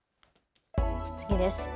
次です。